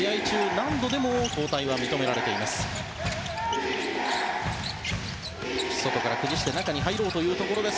何度でも交代は認められています。